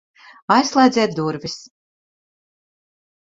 Aizslēdziet durvis!